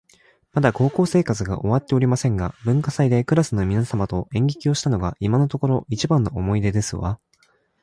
まだ高校生活が終わっておりませんが、文化祭でクラスの皆様と演劇をしたのが今のところ一番の思い出ですわ